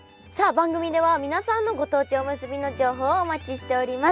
番組では皆さんのご当地おむすびの情報をお待ちしております！